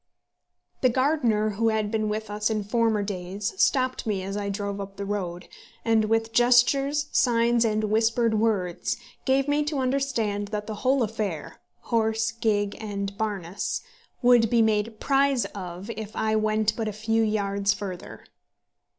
The gardener who had been with us in former days stopped me as I drove up the road, and with gestures, signs, and whispered words, gave me to understand that the whole affair horse, gig, and harness would be made prize of if I went but a few yards farther.